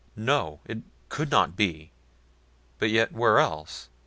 No! It could not be. But yet where else?